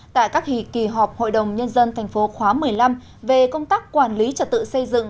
tại các hỷ kỳ họp hội đồng nhân dân thành phố khóa một mươi năm về công tác quản lý trật tự xây dựng